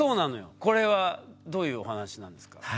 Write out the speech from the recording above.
これはどういうお話なんですか？